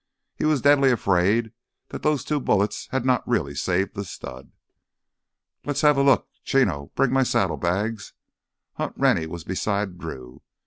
He was deadly afraid that those two bullets had not really saved the stud. "Let's have a look, Chino, bring my saddlebags!" Hunt Rennie was beside Drew.